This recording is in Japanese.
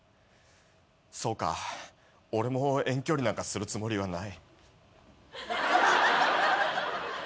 そうか俺も遠距離なんかするつもりはない。